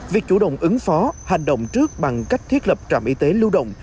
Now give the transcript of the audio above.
việc chủ động ứng phó hành động trước bằng cách thiết lập trạm y tế lưu động